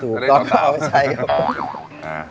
ถูกตอนนี้ใช่ครับ